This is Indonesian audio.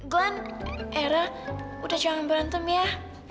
glenn era udah jangan berantem ya